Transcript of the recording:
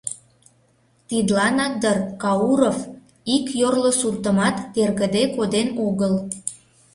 Тидланак дыр Кауров ик йорло суртымат тергыде коден огыл.